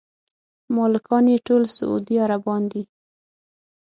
مالکان یې ټول سعودي عربان دي.